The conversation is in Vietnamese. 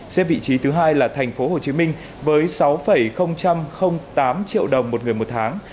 xếp vị trí thứ hai là thành phố hồ chí minh với sáu tám triệu đồng một người một tháng